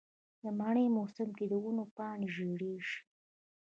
د منې موسم کې د ونو پاڼې ژیړې شي.